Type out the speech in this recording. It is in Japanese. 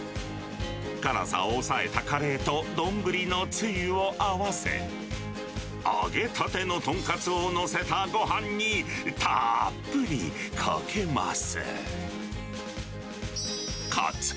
辛さを抑えたカレーと丼のつゆを合わせ、揚げたての豚カツを載せたごはんにたっぷりかけます。